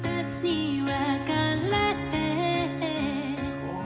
すごい！